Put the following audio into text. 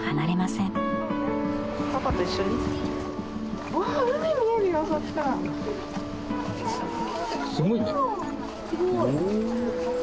すごいね。